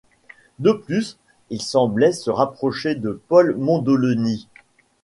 De plus il semblait se rapprocher de Paul Mondoloni.